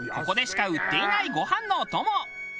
ここでしか売っていないご飯のお供。